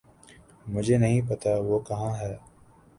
مجھے نہیں پتا وہ کہاں ہے